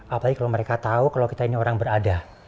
apalagi kalo mereka tau kalo kita ini orang berada